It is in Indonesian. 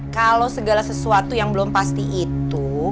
kalau segala sesuatu yang belum pasti itu